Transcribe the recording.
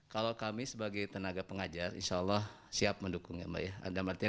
kalau kami sebagai tenaga pengajar insya allah siap mendukungnya